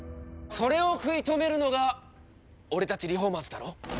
それを食い止めるのが俺たちリフォーマーズだろ。